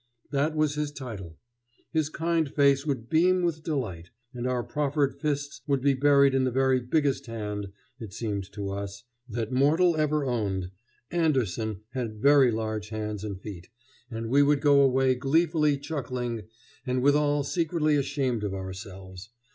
That was his title. His kind face would beam with delight, and our proffered fists would be buried in the very biggest hand, it seemed to us, that mortal ever owned, Andersen had very large hands and feet, and we would go away gleefully chuckling and withal secretly ashamed of ourselves.